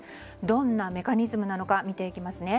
どんなメカニズムなのか見ていきます。